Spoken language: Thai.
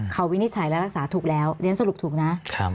เขาวินิจฉัยและรักษาถูกแล้วเรียนสรุปถูกนะ